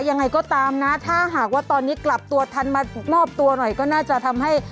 ยังไงก็ตามนะถ้าหากว่าตอนนี้กลับตัวทันมามอบตัวหน่อยก็น่าจะทำให้